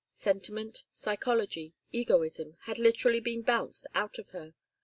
Sentiment, psychology, egoism, had literally been bounced out of her.